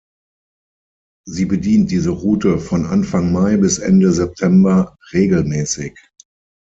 Sie bedient diese Route von Anfang Mai bis Ende September regelmäßig.